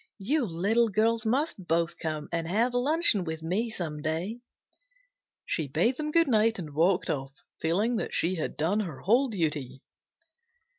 You little girls must both come and have luncheon with me some day." She bade them good night and walked off, feeling that she had done her whole duty.